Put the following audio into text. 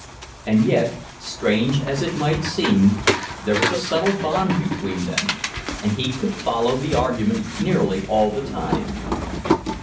And yet, strange as it might seem, there was a subtle bond between them, and he could follow the argument nearly all the time.